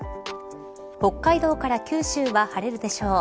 北海道から九州は晴れるでしょう。